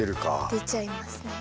出ちゃいますね。